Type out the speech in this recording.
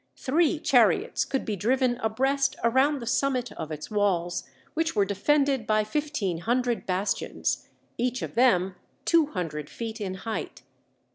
Three chariots could be driven abreast around the summit of its walls, which were defended by fifteen hundred bastions, each of them two hundred feet in height.